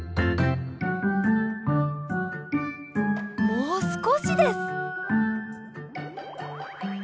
もうすこしです！